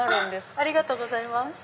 ありがとうございます。